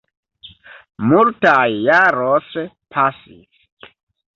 Multaj jaros pasis.